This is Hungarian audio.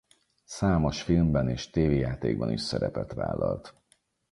Számos filmben és tévéjátékban is szerepet vállalt.